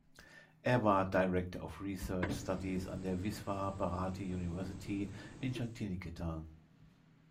Er war "Director of Research Studies" an der Visva-Bharati University in Shantiniketan.